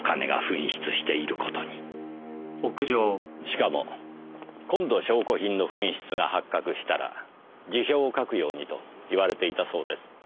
しかも今度証拠品の紛失が発覚したら辞表を書くようにと言われていたそうです。